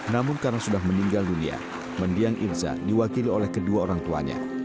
namun karena sudah meninggal dunia mendiang irza diwakili oleh kedua orang tuanya